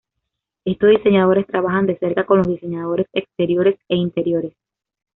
Estos diseñadores trabajan de cerca con los diseñadores exteriores e interiores.